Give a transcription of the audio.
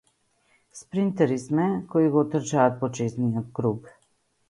Спринтери сме, кои го трчаат почесниот круг.